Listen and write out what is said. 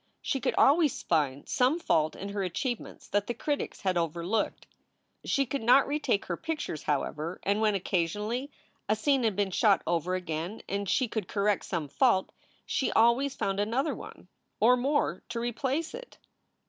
She could always find some fault in her achieve ments that the critics had overlooked. She could not retake her pictures, however, and when, occasionally, a scene had been shot over again and she could correct some fault, she always found another one, or more, to replace it.